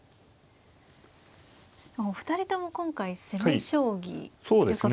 お二人とも今回攻め将棋ということですよね。